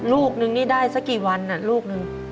ลูกนึงนี่ได้สักกี่วันลูกนึง